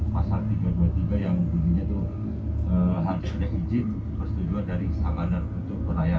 pasal tiga ratus dua puluh tiga yang di sini itu harusnya izin persetujuan dari samadar untuk pelayar